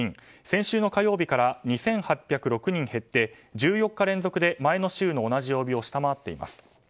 先週の火曜日から２８０６人減って１４日連続で前の週の同じ曜日を下回っています。